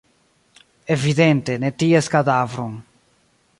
Evidente ne ties kadavron.